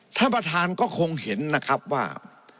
ท่านประธานก็คงเห็นนะครับว่า